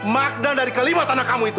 magda dari kelima tanah kamu itu